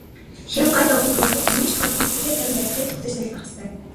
Хэрэв гай зовлон тохиолдвол юу ч тохиолдсон сэтгэлээ тайван байлгахыг л хүсэж залбирах ёстой.